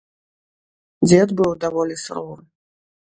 Дзед быў даволі суровы.